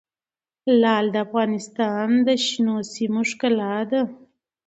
لعل د افغانستان د شنو سیمو ښکلا ده.